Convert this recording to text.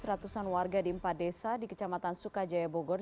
ratusan warga di empat desa di kecamatan sukajaya bogor